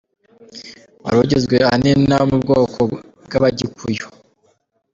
Wari ugizwe ahanini n’abo mu bwoko bw’Abagikuyu.